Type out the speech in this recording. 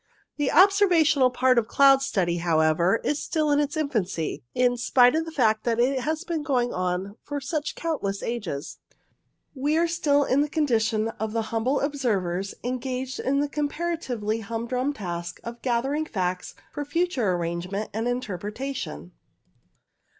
The observational part of cloud study, however. WANT OF NAMES 5 is still in its infancy, in spite of the fact that it has been going on for such countless ages. We are still in the condition of the humble observers engaged in the comparatively humdrum task of gathering facts for future arrangement and interpre tation.